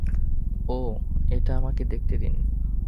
ওহ, এটা, আমাকে দেখতে দিন।